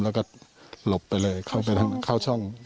แล้วก็หลบไปเลยเข้าช่อง